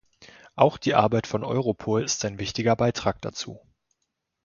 Auch die Arbeit von Europol ist ein wichtiger Beitrag dazu.